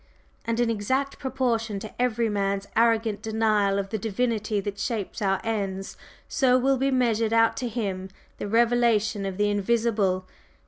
And in exact proportion to every man's arrogant denial of the 'Divinity that shapes our ends,' so will be measured out to him the revelation of the invisible.